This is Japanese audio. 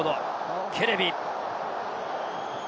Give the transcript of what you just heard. ケレビ。